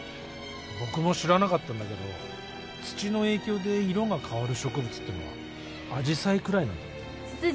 僕も知らなかったんだけど土の影響で色が変わる植物ってのはアジサイくらいなんだって。